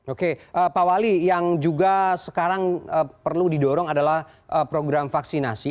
oke pak wali yang juga sekarang perlu didorong adalah program vaksinasi